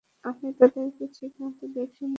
আমি তাদেরকে ঠিকমতো দেখিও নি।